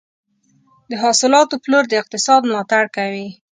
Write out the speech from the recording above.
د حاصلاتو پلور د اقتصاد ملاتړ کوي.